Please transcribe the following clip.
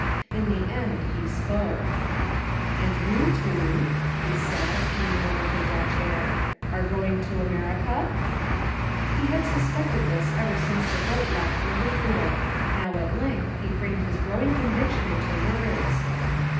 In the end he spoke. "And you, too," he said, leaning over her deck chair, "are going to America?" He had suspected this ever since the boat left Liverpool. Now at length he framed his growing conviction into words.